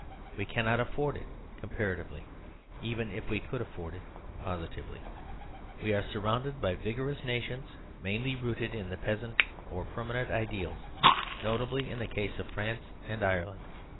We cannot afford it comparatively, even if we could afford it positively. We are sur rounded by vigorous nations mainly rooted in the peasant or permanent ideals; notably in the case of France and Ireland.